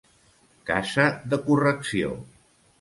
Casa de correcció.